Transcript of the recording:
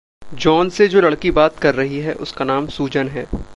John से जो लड़की बात कर रही है उसका नाम सूज़न है।